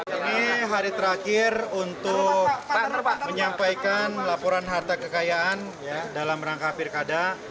ini hari terakhir untuk menyampaikan laporan harta kekayaan dalam rangka pilkada